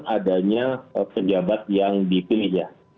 adanya pejabat yang dipilih